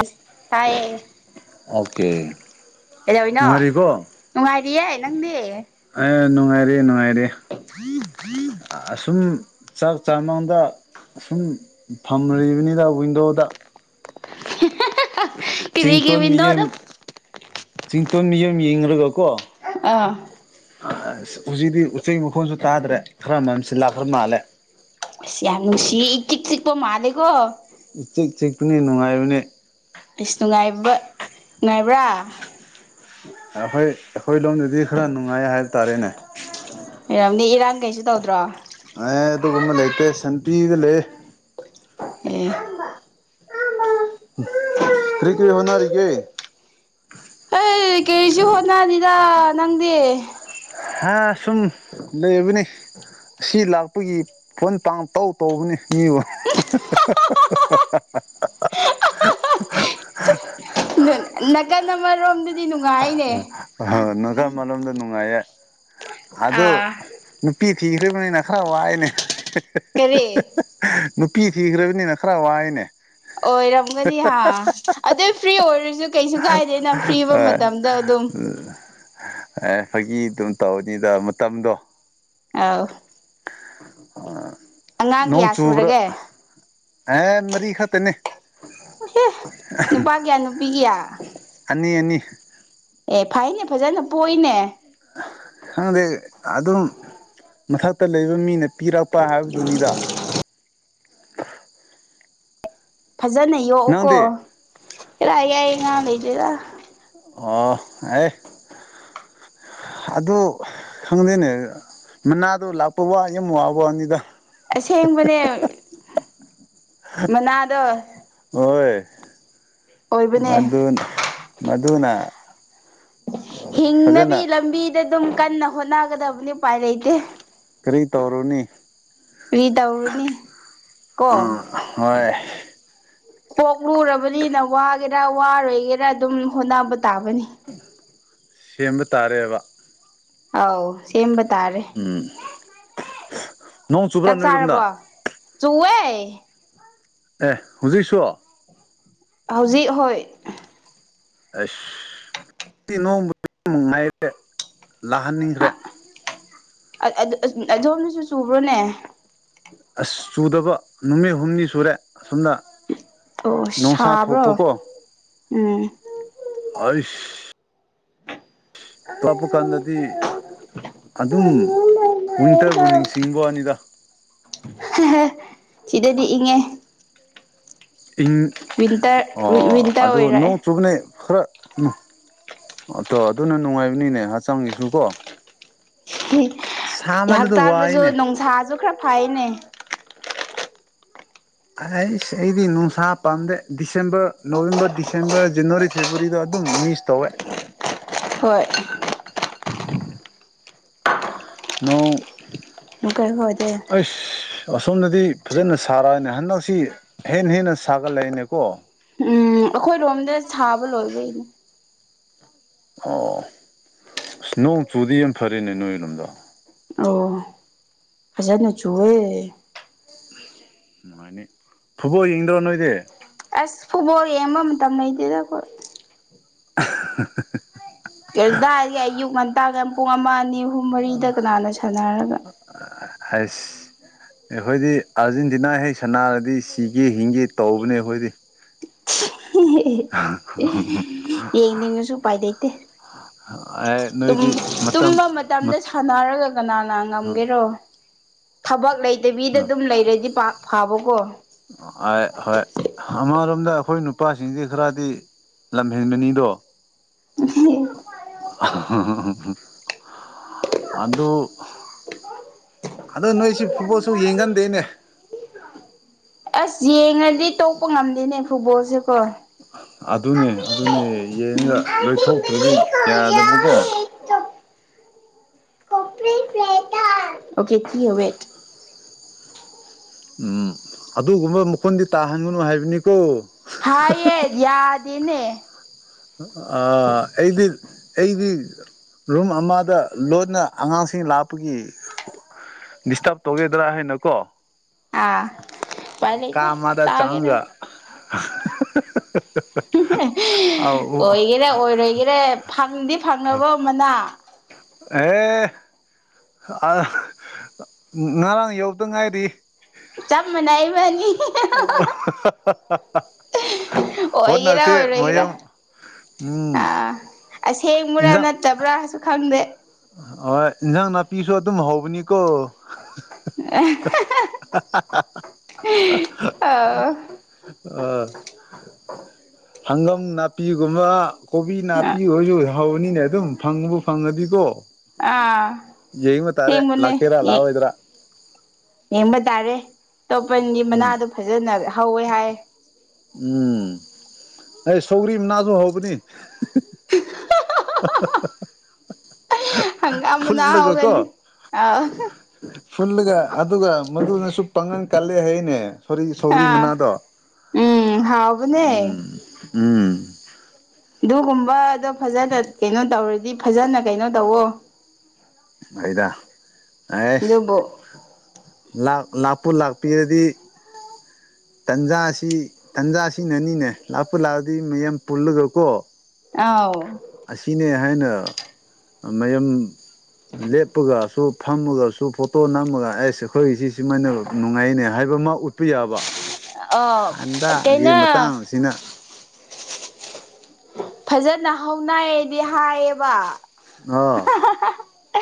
ꯑꯁ ꯇꯌꯦ ꯑꯣꯀꯦ ꯀꯩꯗꯧꯅꯣ ꯅꯨꯡꯉꯥꯏꯔꯤꯀꯣ ꯅꯨꯡꯉꯥꯏꯔꯤꯌꯦ ꯅꯪꯗꯤ ꯅꯨꯡꯉꯥꯏꯔꯦ ꯅꯨꯡꯉꯥꯏꯔꯦ ꯑꯁꯨꯝ ꯆꯥꯛ ꯆꯥꯃꯥꯡꯗ ꯁꯨꯝ ꯐꯝꯔꯤꯕꯅꯤꯗ ꯋꯤꯟꯗꯣꯗ ꯊꯤ-ꯊꯤ ꯀꯤꯔꯤꯒꯤ ꯆꯤꯡꯇꯣꯟ ꯋꯤꯟꯗꫭꯗ ꯃꯤꯠꯌꯦꯡ ꯆꯤꯡꯇꯣꯟ ꯃꯤꯌꯝ ꯌꯦꯡꯂꯡꯨꯔꯒꯀꯣ ꯑꯥ ꯑꯁ ꯍꯧꯖꯤꯛꯇꯤ ꯎꯆꯩ ꯃꯈꯣꯟꯁꯨ ꯇꯥꯗ꯭ꯔꯦ ꯈꯔ ꯃꯝꯁꯤꯜꯂꯛꯂ ꯃꯥꯜꯂꯦ ꯆꯤꯛ ꯆꯤꯛꯄ ꯃꯂ‌ꯦꯒꯣ ꯆꯦꯛ ꯆꯦꯛꯅꯤ ꯅꯨꯡꯉꯥꯏ ꯃꯅꯤ ꯅꯨꯉꯥꯏꯕ꯭ꯔꯥ ꯑꯩꯈꯣꯏ ꯏꯔꯝꯗꯤ ꯏꯔꯥꯡ ꯀꯩꯁꯨ ꯇꯧꯗ꯭ꯔꯣ ꯑꯦ ꯑꯗꯨꯒꯨꯝꯕ ꯂꯩꯇꯦ ꯁꯦꯟꯇꯤꯗ ꯂꯩꯌ‌ꯦ [unintelligible] ꯀꯔꯤ ꯀꯔꯤ ꯍꯣꯅꯔꯤꯒ‌ꯦ ꯍꯣꯏ ꯀꯩꯁꯨ ꯍꯣꯠꯅꯅꯤꯗ ꯅꯪꯗꯤ ꯍꯥꯥ ꯁꯨꯝ ꯂꯩꯕꯅꯤ ꯑꯁꯤ ꯂꯥꯛꯄꯒꯤ ꯐꯣꯟ ꯄꯥꯡ ꯇꯧ ꯇꯧꯕꯅꯤ ꯃꯤꯕꯨ ꯊꯥ-ꯊꯥ-ꯊꯥ ꯑ [unintelligible] ꯅꯪ ꯅꯥꯀꯟ ꯑꯃꯔꯣꯝꯗꯗꯤ ꯅꯨꯡꯉꯥꯏꯅꯦ ꯅꯀꯟ ꯑꯃꯔꯣꯝꯗ ꯅꯨꯡꯉꯥꯏꯌꯦ ꯑꯗꯨ ꯑꯥ ꯅꯨꯄꯤ ꯊꯤꯈ꯭ꯔꯤꯕꯅꯤꯅ ꯈꯔ ꯋꯥꯏꯅꯦ ꯀꯔꯤ ꯅꯨꯄꯤ ꯊꯤꯈ꯭ꯔꯕꯅꯤꯅ ꯈꯔ ꯋꯥꯏꯅꯦ ꯑꯣꯏꯔꯝꯒꯅꯤ ꯍꯥꯥ ꯑꯗꯨꯏ ꯐ꯭ꯔꯤ ꯑꯣꯏꯔꯁꯨ ꯀꯩꯁꯨ ꯀꯥꯏꯗꯦ ꯅ ꯐ꯭ꯔꯤꯑꫭꯏꯕ ꯍꯣꯏ ꯃꯇꯝꯗ ꯑꯗꯨꯝ ꯑꯦ ꯐꯒꯤ ꯑꯗꯨꯝ ꯇꯧꯔꯅꯤꯗ ꯃꯇꯝꯗꯣ ꯑꯥꯎ ꯑ [unintelligible] ꯅꯣꯡ ꯆꯨꯕ꯭ꯔꫭ ꯁꯨꯔꯒꯦ ꯑꯦ ꯃꯔꯤ ꯈꯇꯅꯤ ꯑꯦ ꯑꯍꯡ ꯅꯨꯄꯥ ꯀꯌꯥ ꯅꯨꯄꯤ ꯀꯌꯥ ꯑꯅꯤ ꯑꯅꯤ ꯑꯦ ꯐꯩꯅꯦ ꯐꯖꯅ ꯄꯣꯏꯏꯅꯦ ꯈꯪꯗꯦ ꯑꯗꯨꯝ ꯃꯊꯛꯇ ꯂꯩꯕ ꯃꯤꯅ ꯄꯤꯔꯛꯄ ꯍꯥꯏꯕꯗꯨꯅꯤꯗ ꯐꯖꯅ ꯌꯣꯛꯑꯣꯀꯣ ꯅꯪꯗꯤ ꯏꯔꯥꯏ ꯌꯥꯏꯌꯦ ꯉꯥ ꯂꯩꯇ‌ꯦꯗ ꯑꯣ ꯑꯦ ꯑꯗꯨ ꯈꯪꯗꯦꯅꯦ ꯃꯅꯥꯗꯣ ꯂꯥꯛꯄ ꯋꯥ ꯌꯥꯝ ꯋꯥꯕ ꯋꯥꯅꯤꯗ ꯑꯁꯦꯡꯕꯅꯦ ꯃꯅꯥꯗꯣ ꯍꯣꯏ ꯑꯣꯏꯕꯅꯦ ꯃꯗꯨꯅ ꯃꯗꯨꯨꯅꯥ ꯍꯤꯡꯅꯕꯤ ꯂꯝꯕꯤꯗ ꯑꯗꯨꯝ ꯀꯟꯅ ꯍꯣꯠꯅꯒꯗꯕꯅꯤ ꯎꯄꯥꯏ ꯂꯩꯇꯦ ꯇꫭꯔꯨꯅꯤ ꯀꯔꯤ ꯇꯧꯔꯨꯅꯤ ꯀꯣ ꯍꯣꯏ ꯄꯣꯛꯂꯨꯔꯕꯅꯤꯅ ꯋꯥꯒꯦꯔꯥ ꯋꯥꯔꯣꯏꯒꯦꯔꯥ ꯑꯗꯨꯝ ꯍꯣꯠꯅꯕ ꯇꯥꯕꯅꯤ ꯁꯦꯝꯕ ꯇꯥꯔꯦꯕ ꯑꯥꯎ ꯁꯦꯕ ꯇꯥꯔꯦ ꯎꯝ ꯅꯣꯡ ꯆꯨꯕ꯭ꯔꯥ ꯆꯥꯛ ꯅꯣꯏꯔꯣꯝꯗ ꯆꯥꯔꯕꯣ ꯆꯨꯋꯦ꯫ ꯑꯦ ꯑꯦ ꯍꯧꯖꯤꯛꯁꯨ꯫ ꯍꯧꯖꯤꯛ ꯍꯣꯏ ꯑꯁ [unintelligible] ꯂꯥꯛ ꯍꯟ ꯅꯤꯡꯗ꯭ꯔꯦ꯫ ꯑꯠ ꯑꯠ ꯑꯗꯣꯝꯅꯁꯨ ꯆꯨꯝꯕ꯭ꯔꯣꯅꯦ꯫ ꯑꯁ ꯆꯨꯗꯕ ꯅꯨꯃꯤꯠ ꯍꯨꯝꯅꯤ ꯁꯨꯔꯦ꯫ ꯑꯁꯨꯝꯅ ꯑꯣ ꯅꯨꯡꯁꯥ ꯁꯥꯕ꯭ꯔꯣ ꯊꯣꯛꯄꯀꯣ꯫ ꯎꯝ꯫ ꯑꯩꯏꯁ꯫ ꯇꯞꯄꯨ ꯀꯥꯟꯗꯗꯤ꯫ ꯑꯗꯨꯝ ꯋꯤꯟꯇ꯭ꯔꯕꯨ ꯅꯤꯡꯁꯤꯡꯕ ꯋꯥꯅꯤꯗ꯫ ꯍꯦ ꯍꯦ ꯁꯤꯗꯗꯤ ꯏꯪꯑꯦ꯫ ꯏꯪ ꯑꯣ ꯋꯤꯟꯇꯔ ꯑꯗꯣ ꯅꯣꯡ ꯑꯣꯏꯔꯛꯑꯦ ꯆꯨꯕꯅꯦ ꯈꯔ꯫ ꯎꯝ ꯑꯗꯣ ꯑꯗꯨꯅ ꯅꯨꯡꯉꯥꯏꯕꯅꯤꯅꯦ ꯍꯛꯆꯥꯡꯒꯤꯁꯨ ꯀꯣ꯫ ꯁꯥꯃꯜꯂꯤꯗꯣ ꯍꯛꯆꯥꯡꯗꯁꯨ ꯋꯥꯏꯅꯦ ꯅꯨꯡꯁꯥꯁꯨ ꯈꯔ ꯐꯩꯅꯦ꯫ ꯑꯩꯁ ꯑꯩꯗꯤ ꯅꯨꯡꯁꯥ ꯄꯥꯝꯗꯦ December November December January February. ꯑꯗꯨꯝ ꯃꯤꯁ ꯇꯧꯋꯦ꯫ ꯍꯣꯏ꯫ ꯅꯣꯡ꯫ ꯑꯀꯔ ꯍꯣꯏ꯫ ꯑꯁꯁ꯫ ꯑꯁꯣꯝꯗꯗꯤ ꯐꯖꯅ ꯁꯥꯔꯛꯑꯅꯦ ꯍꯟꯗꯛꯁꯤ ꯍꯦꯟꯅ ꯍꯦꯟꯅ ꯁꯥꯒꯠꯂꯛꯑꯅꯦꯀꯣ꯫ ꯎꯝ ꯑꯩꯈꯣꯏꯔꯣꯝꯗ ꯁꯥꯕ ꯂꯣꯏꯕꯩꯅꯦ꯫ ꯑꯣ ꯑꯁ ꯅꯣꯡ ꯆꯨꯗꯤ ꯌꯥꯝ ꯐꯔꯦꯅꯦ ꯅꯣꯏꯔꯣꯝꯗ꯫ ꯑꯣ ꯐꯖꯥꯅ ꯆꯨꯋꯦ꯫ ꯅꯨꯡꯉꯥꯏꯅꯤ ꯐꯨꯠꯕꯣꯜ ꯌꯦꯡꯗ꯭ꯔꯣ ꯅꯣꯏꯗꯤ꯫ ꯑꯁ ꯐꯨꯠꯕꯣꯜ ꯌꯦꯡꯕ ꯃꯇꯝ ꯂꯩꯇꯦꯗ ꯑꯩꯈꯣꯏ꯫ ꯑ ꯍꯥ ꯍꯥ ꯀꯗꯥꯏꯗꯩ ꯑꯌꯨꯛ ꯉꯟꯇꯥꯜꯒ ꯄꯨꯡ ꯑꯃꯅꯤ꯫ ꯑ ꯑ ꯍꯥꯏꯁ꯫ ꯑꯩꯈꯣꯏꯗꯤ ꯑꯥꯔꯖꯦꯟꯇꯤꯅꯥ ꯍꯦꯛ ꯁꯅꯥꯔꯗꯤ ꯁꯤꯒꯦ ꯍꯤꯡꯒꯦ ꯇꯧꯕꯅꯦ ꯑꯩꯈꯣꯏꯗꯤ꯫ [unintelligible] ꯌꯦꯡꯅꯤꯡꯉꯁꯨ ꯎꯄꯥꯏ ꯂꯩꯇꯦ꯫ ꯇꯨꯝ ꯅꯣꯏꯗꯤ ꯃꯇꯝ ꯇꯨꯝꯕ ꯃꯇꯝꯗ ꯃꯠ ꯁꯥꯟꯅꯔꯒ ꯀꯅꯥꯅ ꯍ ꯍ ꯉꯝꯒꯦꯔꯣ꯫ ꯊꯕꯛ ꯂꯩꯇꯕꯤꯗ ꯑꯗꯨꯝ ꯂꯩꯔꯗꯤ ꯄꯥꯛ ꯐꯥꯕꯀꯣ꯫ ꯑꯥꯏ ꯍꯣꯏ ꯍꯃꯔꯛ ꯅꯈꯣꯏ ꯅꯨꯄꯥꯁꯤꯡꯁꯤ ꯈꯔꯗꯤ ꯂꯝꯍꯦꯟꯕꯅꯤꯗꯣ꯫ [unintelligible] ꯑꯗꯨ꯫ ꯑꯗꯣ ꯅꯣꯏꯁꯤ ꯐꯨꯠꯕꯣꯜꯁꯨ ꯌꯦꯡꯒꯟꯗꯦꯅꯦ꯫ ꯑꯁ ꯌꯦꯡꯉꯗꯤ ꯇꯣꯛꯄ ꯉꯝꯗꯦꯅꯦ ꯐꯨꯠꯕꯣꯜꯁꯤꯀꯣ꯫ ꯑꯗꯨꯅꯦ ꯑꯗꯨꯅꯦ ꯌꯦꯡꯉꯒ ꯂꯣꯏꯊꯣꯛꯇ꯭ꯔꯗꯤ ꯌꯥ ꯌꯥꯗꯕꯀꯣ [unintelligible] ꯦ [unintelligible] ꯎꯝ ꯑꯗꯨꯒꯨꯝꯕ ꯃꯈꯣꯟꯗꯤ ꯇꯥꯍꯟꯒꯅꯨ ꯍꯥꯏꯕꯅꯤꯀꯣ꯫ ꯍꯥꯏ ꯌꯦꯦꯗ ꯌꯥꯗꯦꯅꯦ꯫ ꯑ ꯑꯩꯗꯤ ꯑꯩꯗꯤ꯫ ꯔꯨꯝ ꯑꯃꯗ ꯂꯣꯟꯅ ꯑꯉꯥꯡꯁꯤꯡ ꯂꯥꯞꯄꯒꯤ꯫ ꯗꯤꯁꯇꯥꯞ ꯇꯧꯒꯤꯗ꯭ꯔ ꯍꯥꯏꯅ ꯀꯣ꯫ ꯑꯥ ꯎꯄꯥꯏ ꯂꯩꯇꯦ ꯀꯃꯗ ꯇꯥꯒꯦꯔ ꯆꯥꯡꯒꯥ [unintelligible] ꯑꯣꯏꯒꯦꯔꯦ ꯑꯣꯏꯔꯣꯏꯒꯦꯔꯦ ꯐꯪꯗꯤ ꯐꯪꯅꯕ ꯑꯃꯅ ꯑꯦ ꯉꯔꯥꯡ ꯌꯧꯗ ꯉꯥꯏꯔꯤ ꯆꯕ ꯃꯅꯥꯏꯕꯅꯤ ꯑꯣꯏꯒꯦꯔꯥ ꯑꯣꯟꯅꯁꯤꯦ ꯃꯌ ꯑꯣꯏꯔꯣꯏꯒꯦꯔꯥ ꯎꯝ ꯑꯥ ꯑꯁꯦꯡꯕ꯭ꯔꯥ ꯏꯟꯖꯥꯡ ꯅꯠꯇꯕ꯭ꯔꯥꯁꯨ ꯈꯪꯗꯦ ꯍꯣꯏ ꯏꯟꯖꯥꯡ ꯅꯥꯄꯤꯁꯨ ꯑꯗꯨꯝ ꯍꯧꯕꯅꯤꯀꯣ ꯑ ꯑꯣ ꯍꯪꯒꯥꯝ ꯅꯥꯄꯤꯒꯨꯝꯕ ꯀꯣꯕꯤ ꯅꯥꯄꯤ ꯑꯣꯏꯁꯨ ꯐꯅꯤꯅꯦ ꯑꯗꯨꯝ ꯐꯪꯉꯕꯨ ꯐꯪꯉꯗꯤꯀꯣ ꯑꯥ ꯌꯦꯃ ꯇꯔꯦ ꯑꯁꯦꯡꯕꯅꯦ ꯂꯀꯦꯔ ꯂꯑꯣ ꯑꯣꯏꯗ꯭ꯔꯥ ꯌꯦꯡꯕ ꯇꯥꯔꯦ ꯇꯣꯞꯄꯟꯒꯤ ꯎꯝ ꯃꯅꯥꯗꯣ ꯐꯖꯅ ꯍꯧꯋꯦ ꯍꯥꯏ ꯎꯝ ꯑꯩ ꯁꯧꯒꯔꯤ ꯅꯥꯁꯨꯣꯡ ꯍꯕꯅꯤ [unintelligible] ꯍꯪꯒꯥꯝ ꯅ ꯐꯨꯜꯂꯒ ꯀꯣ ꯍꯧꯒꯅꯤ ꯑ ꯐꯨꯜꯂꯒ ꯑꯗꯨꯒ ꯃꯗꯨꯅꯁꯨ ꯄꯥꯡꯒꯟ ꯀꯜꯂꯦ ꯍꯥꯏꯅꯦ ꯁ ꯁꯧꯒꯔꯤ ꯑꯥ ꯃꯗꯣ ꯎꯝ ꯍꯥꯎꯕꯅꯦ ꯎꯝ ꯎꯝ ꯑꯗꯨꯒꯨꯝꯕꯗꯣ ꯐꯖꯅ ꯀꯩꯅꯣ ꯇꯧꯔꯗꯤ ꯐꯖꯅ ꯀꯩꯅꯣ ꯇꯧꯋꯣ ꯑꯩꯗ ꯑꯦ ꯑꯗꯨꯕꯨ ꯂ ꯂ ꯄꯨꯟ ꯂꯥꯛꯄꯤꯔꯗꯤ ꯇꯟꯖꯥꯁꯤ ꯇꯟꯖꯥꯁꯤꯅꯅꯤꯅꯦ ꯂꯥꯞꯄ ꯂꯥꯛꯑꯗꯤ ꯃꯌꯥꯝ ꯄꯨꯜꯂꯒꯀꯣ ꯑꯥꯎ ꯑꯁꯤꯅꯦ ꯍꯥꯏꯅ ꯃꯌ ꯂꯦꯞꯄꯒꯁꯨ ꯐꯝꯃꯒꯁꯨ ꯐꯣꯇꯣ ꯅꯝꯃꯒ ꯑꯦꯁ ꯑꯩꯈꯣꯏꯒꯤ ꯁꯤ ꯁꯤꯃꯥꯏꯅ ꯅꯨꯡꯉꯥꯏꯅꯦ ꯍꯥꯏꯕ ꯑꯃ ꯎꯠꯄ ꯌꯥꯕ ꯑ ꯍꯟꯗꯛꯒꯤ ꯀꯩꯅꯣ ꯃꯇꯥꯡꯁꯤꯅ ꯐꯖꯅ ꯍꯧꯅꯏꯌꯦꯗꯤ ꯍꯥꯏꯌꯦꯕ ꯑꯣ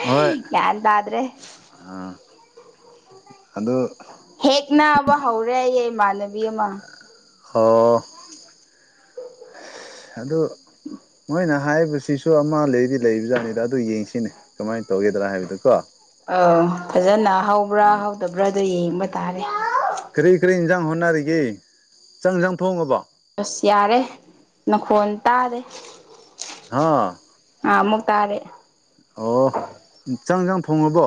ꯍꯣꯏ ꯌꯥꯗꯗ꯭ꯔꯦ ꯑꯗꯣ ꯍꯦꯛ ꯅꯥꯕ ꯍꯧꯔꯦ ꯑꯩꯌꯦ ꯏꯃꯥꯟꯅꯕꯤ ꯑꯃ ꯍ ꯑꯗꯣ ꯃꯣꯏꯅ ꯍꯥꯏꯕꯁꯤꯁꯨ ꯑꯃ ꯂꯩꯗꯤ ꯂꯩꯕꯖꯥꯠꯅꯤꯗ ꯑꯗꯨ ꯌꯦꯡꯁꯤꯅꯦ ꯀꯃꯥꯏꯅ ꯇꯧꯒꯗ꯭ꯔꯥ ꯍꯥꯏꯕꯗꯨ ꯀꯣ ꯑ ꯐꯖꯅ ꯍꯧꯕ꯭ꯔꯥ ꯎꯝ ꯍꯧꯗꯕ꯭ꯔꯥ ꯑꯗꯨꯣ ꯌꯦꯡꯕ ꯇꯥꯔꯦ ꯀꯔꯤ ꯀꯔꯤ ꯏꯟꯁꯥꯡ ꯍꯣꯠꯅꯔꯤꯒꯦ ꯏꯁꯪ ꯏꯟꯁꯪ ꯊꯣꯡꯉꯕ ꯑꯁ ꯌꯥꯔꯦ ꯅꯪꯈꯣꯟꯜ ꯇꯥꯔꯦ ꯍꯥ ꯑ ꯃꯨꯛꯇ ꯇꯥꯔꯦ ꯑꯣ ꯆꯪ ꯍꯦꯟꯖꯡ ꯊꯣꯡꯂꯥꯕꯣ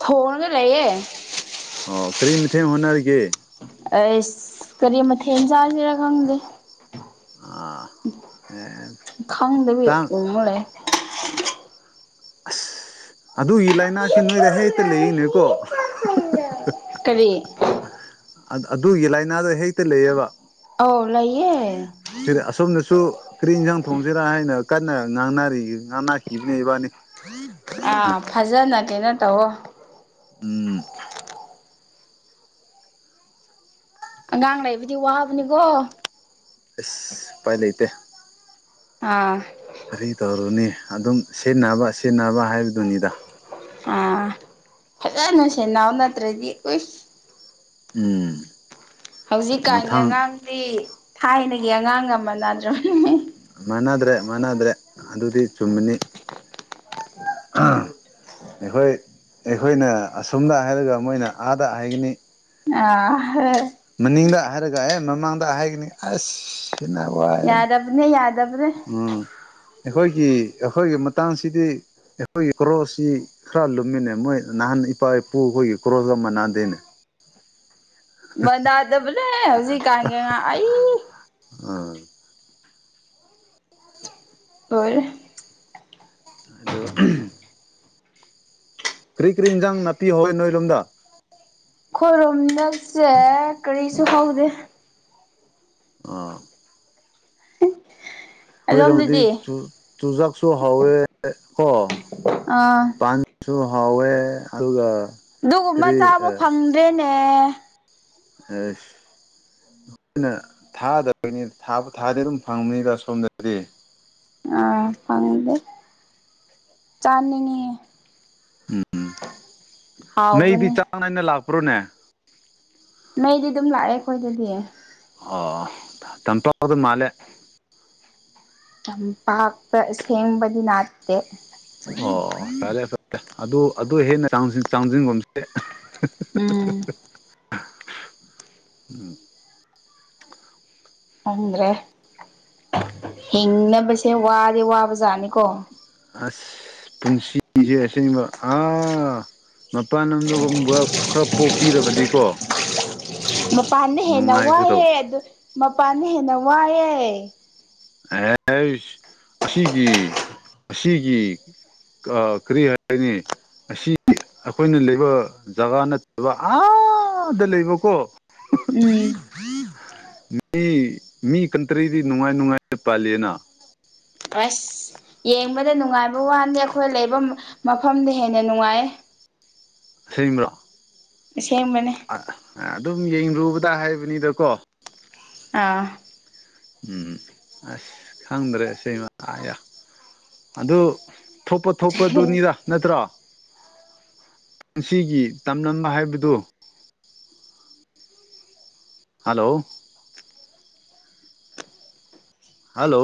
ꯊꯣꯉꯥꯒ ꯂꯩꯌꯦ ꯑꯣ ꯀ꯭ꯔꯤ ꯃꯊꯦꯝ ꯍꯣꯠꯅꯔꯤꯒꯦ ꯏꯁ ꯀꯔꯤ ꯃꯊꯦ ꯏꯟꯖꯥꯖ ꯆꯔ ꯈꯪꯗꯦ ꯑꯥ ꯑꯦ ꯈꯪꯗꯕꯤ ꯇꯥꯡ ꯎꯔꯦ [unintelligible] [inaudible] ꯑꯁ ꯑꯗꯨꯒꯤ ꯂꯥꯏꯅꯥꯁꯤ ꯅꯣꯏꯗ ꯍꯦꯛꯇ ꯂꯩꯔꯤꯅꯦꯀꯣ ꯀꯔꯤ ꯑꯗꯨꯒꯤ ꯂꯥꯏꯅꯥꯗ ꯍꯦꯛꯇ ꯂꯩꯌꯦꯕ ꯍꯥꯎ ꯂꯩꯌꯦ ꯑꯁꯣꯝꯅꯁꯨ ꯀꯔꯤ ꯏꯟꯁꯥꯡ ꯊꯣꯡꯁꯤꯔꯥ ꯍꯥꯏꯅ ꯀꯟꯅꯥ ꯉꯥꯡꯅꯔꯤ ꯉꯥꯡꯅꯈꯤꯕꯥꯅꯦ ꯏꯕꯥꯟꯅꯤ ꯑꯥ ꯐꯖꯥꯅ ꯀꯩꯅꯣ ꯇꯧꯑꯣ ꯑꯝ ꯑꯉꯥꯡ ꯂꯩꯕꯗꯤ ꯋꯥꯕꯅꯤꯀꯣ ꯑꯁ ꯎꯄꯥꯏ ꯂꯩꯇꯦ ꯑꯥ ꯀꯔꯤ ꯇꯧꯔꯨꯅꯤ ꯑꯗꯨꯝ ꯁꯤꯟꯅꯕ ꯁꯤꯟꯅꯕ ꯍꯥꯏꯕ ꯎꯝ꫰ꯐꯥꯖꯅ ꯁꯦꯟꯅꯧ ꯅꯠꯇ꯭ꯔꯥꯗꯤ ꯎꯁ ꯑꯝ ꯍꯧꯖꯤꯛꯀꯥꯟꯒꯤ ꯑꯉꯥꯡꯗꯤ ꯊꯥꯏꯅꯒꯤ ꯑꯉꯥꯡꯒ ꯃꯥꯟꯅꯗ꯭ꯔꯕꯅꯤ ꯃꯥꯟꯅꯗ꯭ꯔꯦ ꯃꯥꯟꯅꯗ꯭ꯔꯦ ꯑꯗꯨꯗꯤ ꯆꯨꯝꯃꯥꯅꯤ ꯑꯥꯝ ꯑꯩꯈꯣꯏ ꯑꯩꯈꯣꯏꯅꯥ ꯑꯁꯨꯝꯅ ꯍꯥꯏꯔꯒ ꯃꯣꯏꯅ ꯑꯥꯗ ꯍꯥꯏꯒꯅꯤ ꯑꯪ [unintelligible] ꯃꯅꯤꯡꯗꯥ ꯍꯥꯏꯔꯒ ꯍꯦ ꯃꯃꯥꯡꯗ ꯍꯥꯏꯒꯅꯤ ꯑꯥꯁ ꯅꯥꯋꯥ ꯑꯝ ꯌꯥꯗꯕꯅꯦ ꯌꯥꯗꯕꯅꯦ ꯑꯩꯈꯣꯏꯒꯤ ꯑꯩꯈꯣꯏꯒꯤ ꯃꯇꯥꯡꯁꯤꯗꯤ ꯑꯩꯈꯣꯏꯒꯤ ꯀꯣꯛꯁꯤ ꯈ꯭ꯔꯥ ꯂꯨꯝꯃꯤꯅꯦ ꯃꯣꯏ ꯅꯍꯥꯟ ꯏꯄꯥ ꯏꯄꯨ ꯈꯣꯏꯒꯤ ꯀꯣꯛꯀꯥ ꯃꯥꯟꯅꯗꯦꯅꯦ ꯃꯥꯟꯅꯗꯥꯕꯅꯦ ꯍꯧꯖꯤꯛ ꯀꯥꯥꯟꯒꯤ ꯑꯉꯥꯡ ꯑꯩ ꯑꯝ ꯂꯣꯏꯔꯦ ꯑꯗꯨ ꯀꯔꯤ ꯀꯔꯤ ꯏꯟꯖꯥꯡ ꯅꯥꯄꯤ ꯍꯧꯏ ꯅꯣꯏ ꯔꯣꯝꯗꯥ ꯑꯈꯣꯏꯔꯣꯝꯗ ꯀꯔꯤꯁꯨ ꯍꯧꯗꯦ ꯑꯥ ꯑꯈꯣꯏꯔꯣꯝꯗꯗꯤ ꯑꯗꯣꯝꯗꯗꯤ ꯆꯨꯖꯥꯛꯁꯨ ꯍꯧꯏ ꯀꯣ ꯑꯥ ꯍꯧꯑꯦ ꯑꯗꯨꯒ ꯑꯗꯨꯒꯨꯝꯕ ꯀꯔꯤ ꯆꯥꯕ ꯐꯪꯗꯦꯅꯦ ꯑꯥꯁ ꯑꯩꯈꯣꯏꯅ ꯊꯥꯗꯕꯩꯅꯤ ꯊꯥꯕꯨ ꯊꯥꯔꯗꯤ ꯗꯨꯝ ꯐꯪꯕꯅꯤꯗ ꯁꯣꯝꯗꯗꯤ ꯑꯥ ꯐꯪꯗꯦ ꯆꯥꯅꯤꯡꯉꯤ ꯑꯝ ꯃꯩꯗꯤ ꯍꯥꯎꯕꯅꯦ ꯆꯥꯡ ꯅꯥꯏꯅ ꯂꯥꯛꯄ꯭ꯔꯣꯅꯦ ꯃꯩꯗꯤ ꯑꯗꯨꯝ ꯂꯥꯛꯑꯦ ꯑꯩꯈꯣꯏꯒꯤꯗꯤ ꯑꯣ ꯌꯥꯝ ꯆꯥꯎꯈꯠꯄ ꯃꯥꯂꯦ ꯇꯝꯄꯥꯛꯇ ꯁꯦꯝꯕꯗꯤ ꯂꯤꯛꯇꯦ ꯑꯣ ꯐꯥꯔꯦ ꯐꯥꯔꯦ ꯑꯗꯨ ꯑꯗꯨ ꯍꯦꯟꯅ ‌ꯆꯡꯖꯤꯟꯒꯨꯟꯁꯤ ꯎꯝ [unintelligible] ꯈꯪꯗ꯭ꯔꯦ ꯍꯤꯡꯅꯕꯁꯤ ꯋꯥꯗꯤ ꯋꯥꯕ ꯖꯥꯠꯅꯤꯀꯣ ꯑꯁ ꯄꯨꯟꯁꯤꯁꯦ ꯑꯁꯦꯡꯕꯥ ꯍꯥ ꯃꯄꯥꯟ ꯂꯝꯗꯥꯒꯨꯝꯕ ꯈ꯭ꯔꯥ ꯄꯣꯛꯄꯤꯔꯝꯃꯗꯤꯀꯣ ꯃꯄꯥꯟꯅꯥ ꯍꯦꯟꯅ ꯅꯨꯡꯉꯥꯏꯒꯗꯕ ꯋꯥꯏꯌꯦ ꯑꯗꯨ ꯃꯄꯥꯟꯅꯥ ꯍꯦꯟꯅ ꯋꯥꯏꯌꯦ ꯑꯦꯁ ꯑꯁꯤꯒꯤ ꯑꯁꯤꯒꯤ ꯑ ꯀꯔꯤ ꯍꯥꯏꯅꯤ ꯑꯁꯤ [unintelligible] ꯑꯈꯣꯏꯅ ꯂꯩꯕ ꯖꯒꯥ ꯅꯠꯇꯕ ꯑꯥꯗ ꯂꯩꯕꯀꯣ ꯎꯝ ꯃꯤ ꯃꯤ ꯀꯟꯇ꯭ꯔꯤꯗꯤ ꯅꯨꯡꯉꯥꯏ ꯅꯨꯡꯉꯥꯏꯅ ꯄꯥꯜꯂꯦꯅ ꯑꯥꯁ ꯌꯦꯡꯕꯗ ꯅꯨꯡꯉꯥꯏꯕ ꯋꯥ ꯅ‌ꯦ ꯑꯈꯣꯏ ꯂꯩꯕ ꯃꯐꯝꯅ ꯍꯦꯟꯅ ꯅꯨꯡꯉꯥꯏꯌꯦ ꯑꯁꯦꯡꯕꯔ‌ꯣ ꯑꯁꯦꯡꯕꯅꯦ ꯑ ꯑꯗꯨꯝ ꯌꯦꯡꯂꯨꯕꯗ ꯍꯥꯏꯕꯅꯤꯗꯥꯀꯣ ꯑꯥ ꯎꯝ ꯑꯁ ꯈꯪꯗ꯭ꯔꯦ ꯁ‌ꯦꯡꯅ ꯑꯌꯥ ꯑꯗꯨ ꯊꯣꯛꯄ ꯊꯣꯛꯄꯗꯨꯅꯤꯗ ꯅꯠꯇ꯭ꯔꯣ ꯄꯨꯟꯁꯤꯒꯤ ꯇꯝꯂꯝꯕ ꯍꯥꯏꯕꯗꯨ ꯍꯜꯂꯣ ꯍꯜꯂꯣ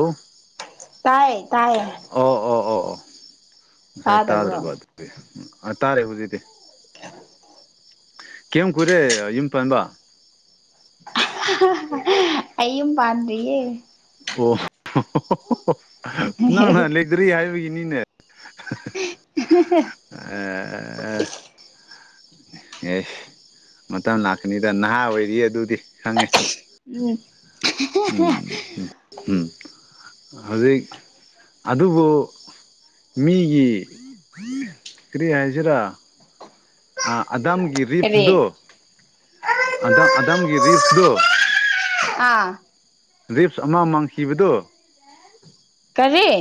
ꯇꯥꯏ ꯇꯥꯏꯌꯦ ꯑꯣ ꯑꯣ ꯑꯣ ꯑꯣ ꯉꯁꯥꯏ ꯇꯥꯗ꯭ꯔꯕ ꯇꯥꯗꯕ꯭ꯔꯣ ꯑꯗꯨꯗꯨꯏ ꯇꯥꯔꯦ ꯍꯧꯖꯤꯛꯇꯤ [unintelligible] ꯀꯦꯌꯥꯝ ꯀꯨꯏꯔꯦ ꯌꯨꯝ ꯄꯥꯟꯕ [unintelligible] ꯑꯩ ꯌꯨꯝ ꯄꯥꯥꯟꯗꯔꯤꯌꯦ ꯑꯣ ꯅꯪꯅ ꯂꯩꯇꯔꯤ ꯍꯥꯏꯕꯒꯤꯅꯤꯅꯦ ꯑ [unintelligible] ꯑꯦ ꯃꯇꯝ ꯂꯥꯛꯀꯅꯤꯗ ꯅꯍꯥ ꯑꯣꯏꯔꯤ ꯑꯗꯨꯗꯤ ꯈꯪꯉꯦ ꯎꯝ ꯎꯝ ꯎꯝ ꯍꯧꯖꯤꯛ ꯑꯗꯨꯕꯨ ꯃꯤꯒꯤ ꯀꯔꯤ ꯍꯥꯏꯖꯤꯔꯥ ꯑꯗꯥꯝꯒꯤ ꯀꯔꯤ ꯔꯤꯞꯁꯗꯣ ꯑꯗꯥꯝ ꯑꯗꯥꯝꯒꯤ ꯔꯤꯞꯁꯗꯣ ꯑꯥ ꯔꯤꯞꯁ ꯑꯃ ꯃꯥꯡꯈꯤꯕꯗꯣ ꯀꯔꯤ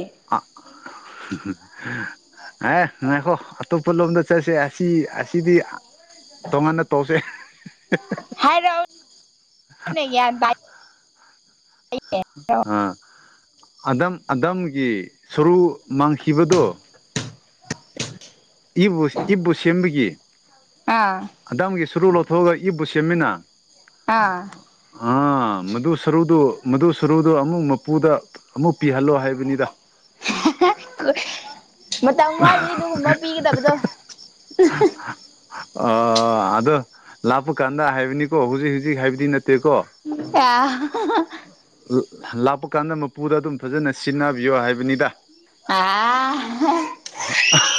ꯑꯦ ꯉꯥꯏꯈꯣ ꯑꯇꯣꯞꯄ ꯂꯣꯝꯗ ꯆꯠꯁꯦ ꯑꯁꯤ ꯑꯁꯤꯗꯤ ꯇꯣꯡꯉꯥꯟꯅ ꯇꯧꯁꯦ ꯅꯥ ꯒꯌ꯭ꯥꯟ ꯇꯥꯏ ꯑꯥ ꯑꯗꯝ ꯑꯗꯝꯒꯤ ꯁꯨꯔꯨ ꯃꯥꯡꯈꯤꯕꯗꯣ [unintelligible] ꯏꯕꯨ ꯏꯕꯨ ꯁꯦꯝꯕꯒꯤ ꯑꯥ ꯑꯗꯥꯝꯒꯤ ꯁꯨꯔꯨ ꯂꯧ ꯑꯒ ꯏꯕꯨ ꯁꯦꯝꯃꯤꯅ ꯑꯥ ꯑꯥ ꯃꯗꯨ ꯁꯔꯨꯗꯨ ꯃꯗꯨ ꯁꯔꯨꯗꯣ ꯑꯃꯨꯛ ꯃꯄꯨꯗ ꯑꯃꯨꯛ ꯄꯤꯍꯜꯂꯣ ꯍꯥꯏ ꯕꯅꯤꯗ ꯃꯇꯝ ꯋꯥꯠꯂꯤ ꯑꯗꯨꯒꯨꯝꯕ ꯄꯤꯒꯗꯕꯗꯣ ꯑ ꯑꯗꯣ ꯂꯥꯛꯄ ꯀꯥꯟꯗ ꯍꯥꯏꯕꯅꯤꯀꯣ ꯍꯧꯖꯤꯛ ꯍꯧꯖꯤꯛ ꯍꯥꯏꯕꯗꯤ ꯅꯠ ꯌꯥ [unintelligible] ꯂꯥꯛꯄ ꯀꯥꯟꯗ ꯃꯄꯨꯗ ꯑꯗꯨꯝ ꯐꯖꯅ ꯁꯤꯟꯅꯕꯤꯌꯣ ꯍꯥꯏꯕꯅꯤꯗ ꯑ [inaudible]